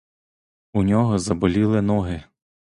У його заболіли ноги.